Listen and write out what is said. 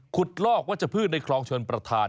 ขุดลอกวาชพืชในคลองเชิญประทาน